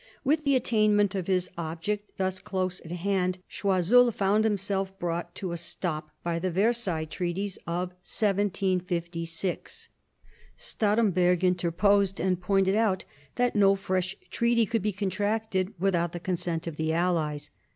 With the attainment of his object thus close at hand, Choiseul found himself brought to a stop by the Versailles treaties of 1756. Stahremberg interposed, and pointed out that no fresh treaty could be contracted without the consent of the allies.